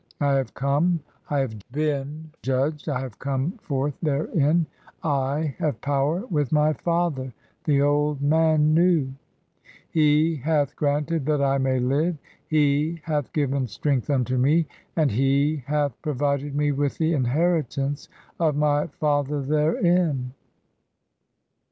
I have come, I have been judged, I have come forth therein, 108 THE CHAPTERS OF COMING FORTH BY DAY. "[I] have power with my father, the Old man, Nu. He hath "granted that I may live, he hath given strength unto me, and "he hath provided me with the inheritance of my father therein."